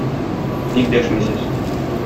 Ник дәшмисез?